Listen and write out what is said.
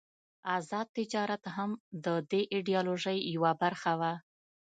آزاد تجارت هم د دې ایډیالوژۍ یوه برخه وه.